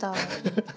ハハハッ。